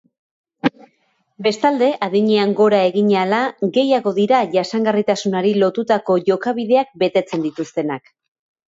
Bestalde, adinean gora egin ahala gehiago dira jasangarritasunari lotutako jokabideak betetzen dituztenak.